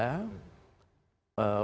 untuk mereka yang sudah terikon